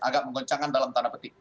agak menggoncangkan dalam tanah peti